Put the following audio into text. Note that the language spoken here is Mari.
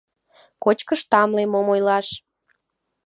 Кочкыш тамле Мом ойлаш!